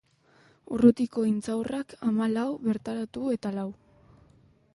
Urrutiko intxaurrak hamalau, bertaratu eta lau.